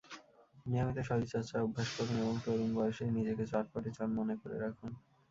নিয়মিত শরীর চর্চার অভ্যাস করুন এবং তরুণ বয়সেই নিজেকে চটপটে-চনমনে করে রাখুন।